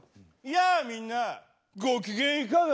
やあみんなご機嫌いかが？